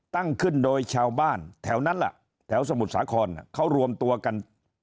ตั้งขึ้นโดยชาวบ้านแถวนั้นแหละแถวสมุทรสาครเขารวมตัวกัน